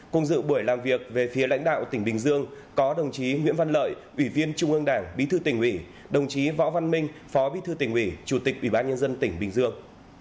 cùng dự buổi làm việc về phía lãnh đạo tỉnh bình dương có đồng chí nguyễn văn lợi ủy viên trung ương đảng bí thư tỉnh ủy đồng chí võ văn minh phó bí thư tỉnh ủy chủ tịch ủy ban nhân dân tỉnh bình dương